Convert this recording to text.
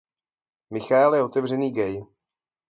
Michael je otevřený gay.